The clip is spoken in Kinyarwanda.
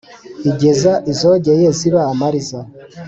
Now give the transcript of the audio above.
igeza izogeye ziba amariza